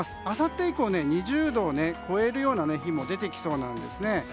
あさって以降は２０度を超えるような日も出てきそうなんですね。